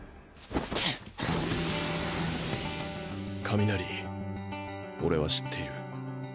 上鳴俺は知っている